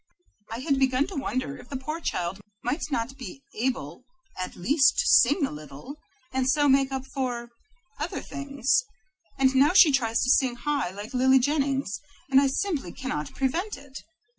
I had begun to wonder if the poor child might not be able at least to sing a little, and so make up for other things; and now she tries to sing high like Lily Jennings, and I simply cannot prevent it.